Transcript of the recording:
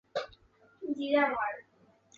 为台湾本岛人口密度最高的乡。